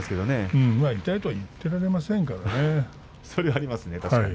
痛いとは言ってられませんからね。